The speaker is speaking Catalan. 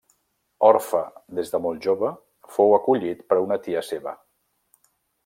Orfe des de molt jove, fou acollit per una tia seva.